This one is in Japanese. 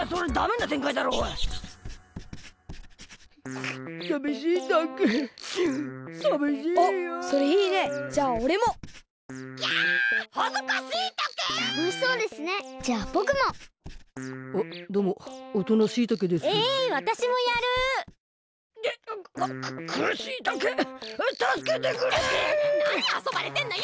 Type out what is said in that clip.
なにあそばれてんのよ！